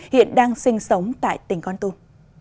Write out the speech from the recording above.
hiện đang sinh sống tại tỉnh con tum